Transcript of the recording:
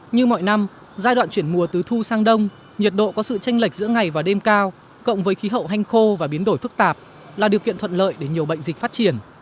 như mọi năm giai đoạn chuyển mùa tứ thu sang đông nhiệt độ có sự tranh lệch giữa ngày và đêm cao cộng với khí hậu hanh khô và biến đổi phức tạp là điều kiện thuận lợi để nhiều bệnh dịch phát triển